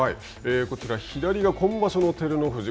こちら左が今場所の照ノ富士。